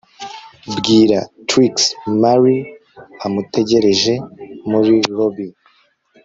Bwira Trix Mary amutegereje muri lobby